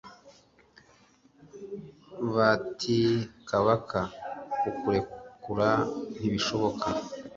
batikabaka kukurekura ntibishoboka